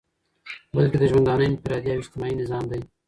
بلكي دژوندانه انفرادي او اجتماعي نظام دى